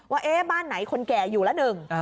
ว่าบ้านไหนคนแก่อยู่ละหนึ่ง